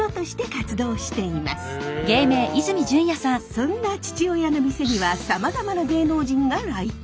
そんな父親の店にはさまざまな芸能人が来店。